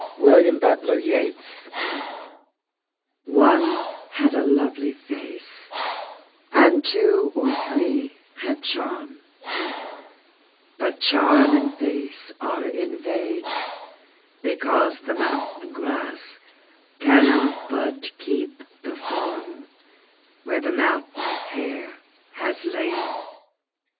1919. 20. Memory ONE had a lovely face, And two or three had charm, But charm and face were in vainBecause the mountain grassCannot but keep the formWhere the mountain hare has lain.